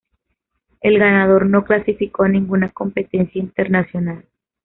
El ganador no clasificó a ninguna competencia internacional.